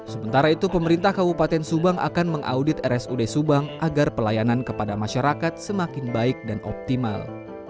sementara itu pemerintah kabupaten subang akan mengaudit rsud subang agar pelayanan kepada masyarakat semakin baik dan optimal